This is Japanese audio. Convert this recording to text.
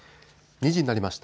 ２時になりました。